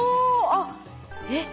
あっえっ